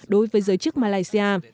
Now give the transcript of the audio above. đối với giới chức malaysia